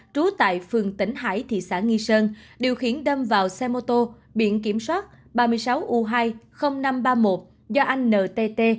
trú tại phường tỉnh hải thị xã nghi sơn điều khiển đâm vào xe mô tô biển kiểm soát ba mươi sáu u hai mươi nghìn năm trăm ba mươi một do anh ntt